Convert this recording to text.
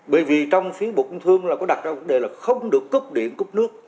bởi vì trong phía bộ công thương là có đặt ra vấn đề là không được cúc điện cúc nước